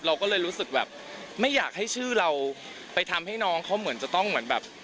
เราก็เลยรู้สึกแบบไม่อยากให้ชื่อเราไปทำให้น้องเขาเหมือนจะต้องเหมือนแบบ